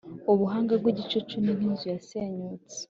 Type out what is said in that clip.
Ubuhanga bw’igicucu ni nk’inzu yasenyutse,